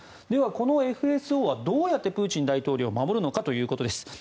では、このＦＳＯはどうやってプーチン大統領を守るのかということです。